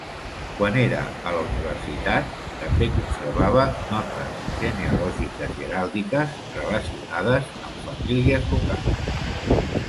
Quan era a la universitat, també conservava notes genealògiques i heràldiques relacionades amb famílies locals.